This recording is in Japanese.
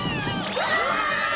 うわ！